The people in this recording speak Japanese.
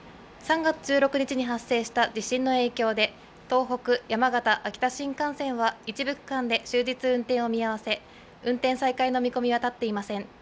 ３月１６日に発生した地震の影響で、東北、山形、秋田新幹線は一部区間で終日運転を見合わせ、運転再開の見込みは立っていません。